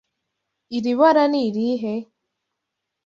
Iri bara ni irihe?